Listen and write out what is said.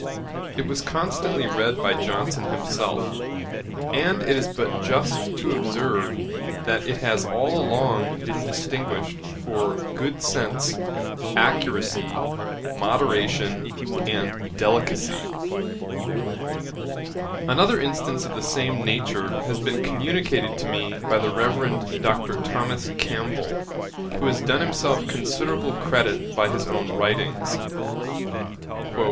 It was constantly read by Johnson himself; and it is but just to observe, that it has all along been distinguished for good sense, accuracy, moderation, and delicacy. [Page 318: Dr. Madden. A.D. 1756.] Another instance of the same nature has been communicated to me by the Reverend Dr. Thomas Campbell, who has done himself considerable credit by his own writings.